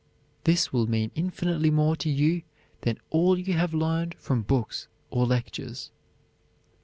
This will mean infinitely more to you than all you have learned from books or lectures.